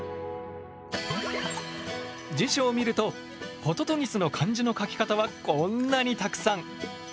辞書を見るとホトトギスの漢字の書き方はこんなにたくさん！